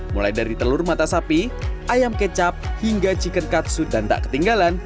mulai dari telur mata sapi ayam kecap hingga chicken katsu dan tak ketinggalan